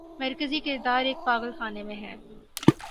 مرکزی کردار ایک پاگل خانے میں ہے۔